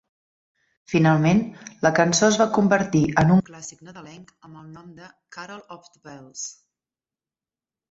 Finalment, la cançó es va convertir en un clàssic nadalenc amb el nom de "Carol of the Bells".